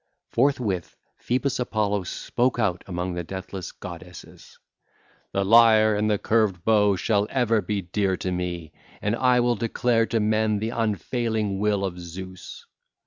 Forthwith Phoebus Apollo spoke out among the deathless goddesses: (ll. 131 132) 'The lyre and the curved bow shall ever be dear to me, and I will declare to men the unfailing will of Zeus.